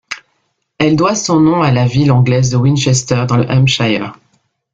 Elle doit son nom à la ville anglaise de Winchester dans le Hampshire.